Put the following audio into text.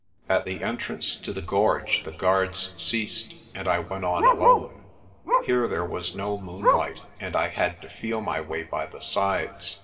At the entrance to the gorge the guards ceased, and I went on alone. Here there was no moonlight and I had to feel my way by the sides.